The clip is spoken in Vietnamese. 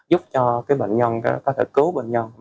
giúp cho bệnh nhân có thể cứu bệnh nhân